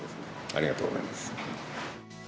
ありがとうございます。